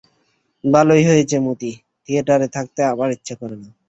ভালোই হয়েছে মতি, থিয়েটারে থাকতে আমার ইচ্ছে করে না।